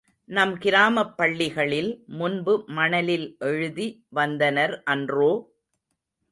நம் கிராமப் பள்ளிகளில் முன்பு மணலில் எழுதி வந்தனர் அன்றோ!